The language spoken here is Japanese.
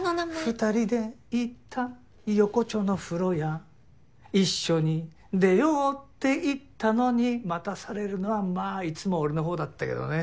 二人で行った横丁の風呂屋一緒に出ようって言ったのに待たされるのはまあいつも俺のほうだったけどね。